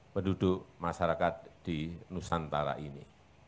penduduk masyarakat di nusantara ini